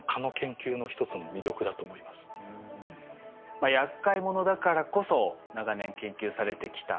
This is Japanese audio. まあやっかい者だからこそ長年研究されてきた蚊。